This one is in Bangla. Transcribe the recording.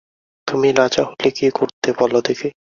তুমি রাজা হলে কী করতে বলো দেখি।